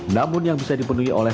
namun yang bisa dipenuhi oleh